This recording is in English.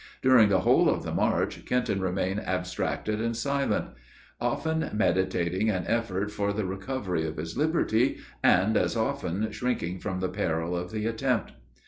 During the whole of the march, Kenton remained abstracted and silent; often meditating an effort for the recovery of his liberty, and as often shrinking from the peril of the attempt.